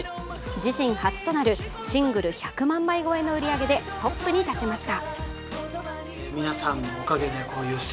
自身初となるシングル１００万枚超えの売り上げでトップに立ちました。